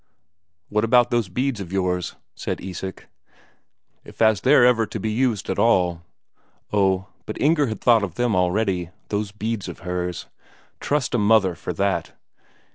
"What about those beads of yours?" said Isak. "If as they're ever to be used at all...." Oh, but Inger had thought of them already, those beads of hers. Trust a mother for that.